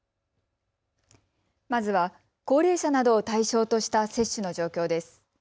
まずは高齢者などを対象とした接種の状況です。